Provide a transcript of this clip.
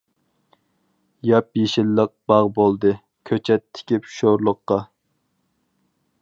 ياپ-يېشىللىق باغ بولدى، كۆچەت تىكىپ شورلۇققا.